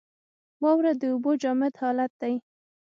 واوره د اوبو جامد حالت دی.